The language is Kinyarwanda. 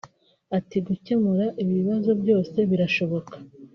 Ati “Gukemura ibi bibazo byose birashoboka